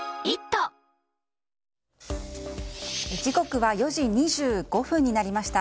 時刻は４時２５分になりました。